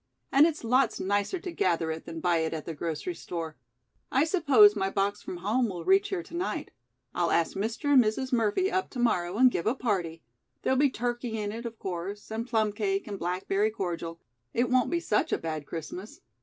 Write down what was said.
"And it's lots nicer to gather it than buy it at the grocery store. I suppose my box from home will reach here to night. I'll ask Mr. and Mrs. Murphy up to morrow and give a party. There'll be turkey in it, of course, and plum cake and blackberry cordial it won't be such a bad Christmas.